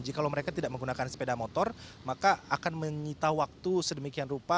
jika mereka tidak menggunakan sepeda motor maka akan menyita waktu sedemikian rupa